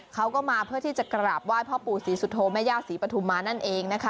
เขาก็มาเพื่อที่จะกราบไหว้พ่อปู่ศรีสุโธแม่ย่าศรีปฐุมานั่นเองนะคะ